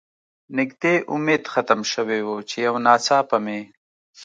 نږدې امید ختم شوی و، چې یو ناڅاپه مې.